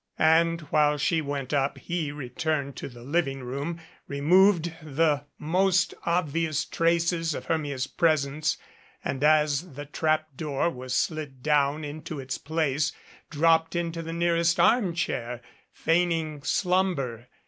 And while she went up he returned to the living room, removed the most obvious traces of Hermia's pres ence, and, as the trap door was slid down into its place, dropped into the nearest armchair, feigning slumber.